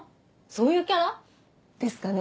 そういうキャラ？ですかね